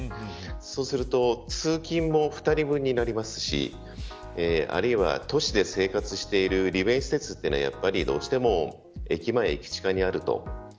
そうすると通勤も２人分になりますしあるいは都市で生活している便意施設というのはどうしても駅前、駅地下にある。